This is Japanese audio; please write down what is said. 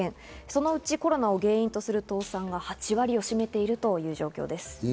そのうちコロナを原因とする倒産が８割を占めているという状況です。